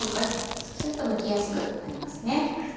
そうするとむきやすくなります。